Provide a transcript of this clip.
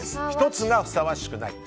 １つがふさわしくない。